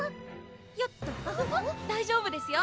よっと大丈夫ですよ